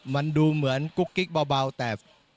มันดูเหมือนกุ๊กกิ๊กเบาแต่